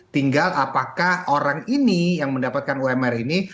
tinggal apakah orang ini yang mendapatkan umr ini